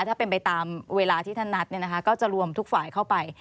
ถ้าเป็นไปตามเวลาที่ท่านนัดก็จะรวมทุกฝ่ายเข้าไป